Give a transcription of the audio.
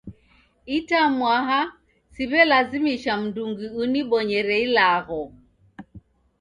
Itamwaa siwe'lazimisha mndungi uniboyere ilagho